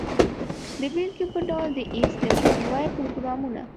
د بیلګې په ډول د ایډز د مخنیوي پروګرامونه.